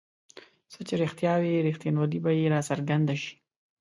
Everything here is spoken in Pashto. څه چې رښتیا وي رښتینوالی به یې راڅرګند شي.